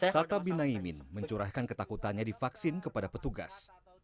tata binaimin mencurahkan ketakutannya di vaksin kepada petugas